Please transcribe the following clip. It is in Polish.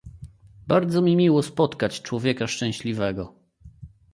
"Bardzo mi miło spotkać człowieka szczęśliwego."